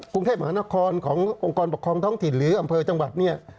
กรุงเทพมหานครขององค์กรปกครองท้องถิ่นหรืออำเภอจังหวัดเนี่ย